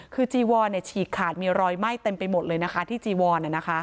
คือจีวอร์เนี่ยฉีกขาดมีรอยไหม้เต็มไปหมดเลยนะคะที่จีวอร์เนี่ยนะคะ